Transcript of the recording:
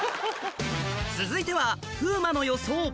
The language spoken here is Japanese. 続いては風磨の予想